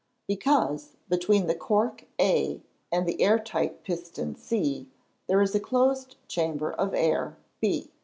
_ Because, between the cork A and the air tight piston C, there is a closed chamber of air B.